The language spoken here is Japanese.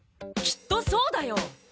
きっとそうだよ！